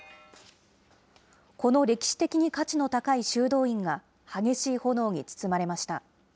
この歴史的に価値の高い修道院が、激しい炎に包まれました。